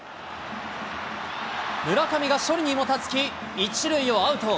村上が処理にもたつき、１塁をアウト。